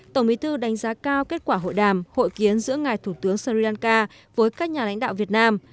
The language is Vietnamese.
tổng bí thư đánh giá cao kết quả hội đàm hội kiến giữa ngài thủ tướng sri lanka với các nhà lãnh đạo việt nam